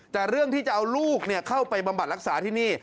แต่เรื่องที่จะเอาลูกเข้าไปบำบัดรักษาที่นี่